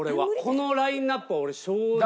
このラインアップは俺正直。